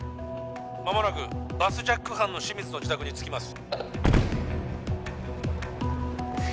まもなくバスジャック犯の清水の自宅に着きます